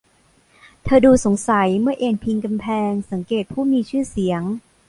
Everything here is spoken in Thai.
เธอดูสงสัยเมื่อเอนพิงกำแพงสังเกตผู้มีชื่อเสียง